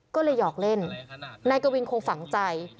ก็เลยหอกเล่นนายกวินคงฝังใจ